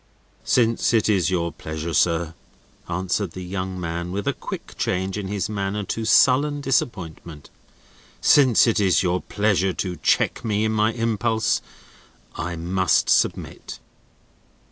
"Since it is your pleasure, sir," answered the young man, with a quick change in his manner to sullen disappointment: "since it is your pleasure to check me in my impulse, I must submit."